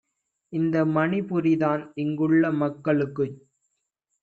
இந்த மணிபுரிதான் இங்குள்ள மக்களுக்குச்